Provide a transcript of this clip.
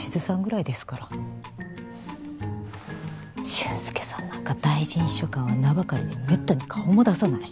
俊介さんなんか大臣秘書官は名ばかりでめったに顔も出さない。